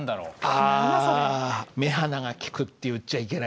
あ「目鼻がきく」って言っちゃいけないんですよ。